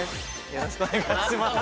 よろしくお願いします